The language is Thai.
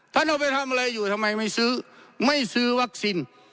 เอาไปทำอะไรอยู่ทำไมไม่ซื้อไม่ซื้อวัคซีน